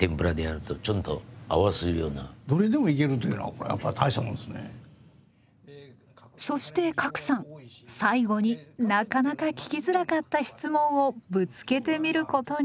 ここの酒っていうのはそして加来さん最後になかなか聞きづらかった質問をぶつけてみることに。